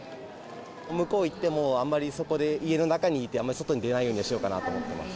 向こう行っても、あんまりそこで、家の中にいて、あんまり外に出ないようにしようかなと思ってます。